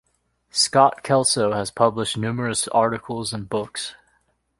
Scott Kelso has published numerous articles and books.